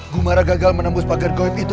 gumara gagal menembus paker koin itu